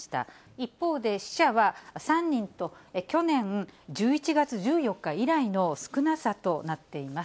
一方で、死者は３人と、去年１１月１４日以来の少なさとなっています。